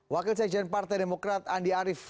wakil sekjen partai demokrat andi arief